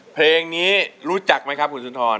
เพลงนี้รู้จักมั้ยครับขุนศุนธร